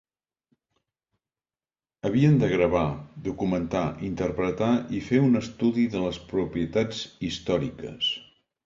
Havien de gravar, documentar, interpretar i fer un estudi de les propietats històriques.